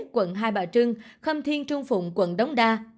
quận hai bà trưng khâm thiên trung phụng quận đống đa